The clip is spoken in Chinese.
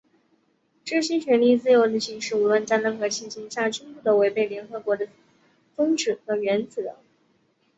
这些权利和自由的行使,无论在任何情形下均不得违背联合国的宗旨和原则。